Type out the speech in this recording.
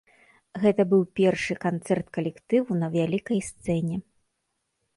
Гэта быў першы канцэрт калектыву на вялікай сцэне.